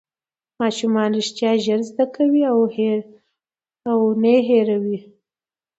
ماشومان رښتیا ژر زده کوي او هېر یې نه کوي